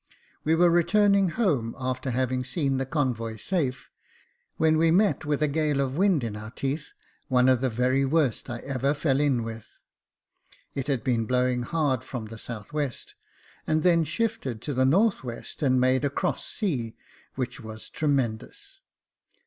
We were returning home, after having seen the convoy safe, when we met with a gale of wind in our teeth, one of the very worst I ever fell in with. It had been J.F. F 'V ^ 82 Jacob Faithful blowing hard from the S.W., and then shifted to the N.W., and made a cross sea, which was tremendous.